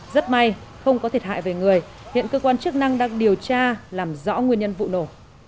rất may không có thiệt hại về người hiện cơ quan chức năng đang điều tra làm rõ nguyên nhân vụ nổ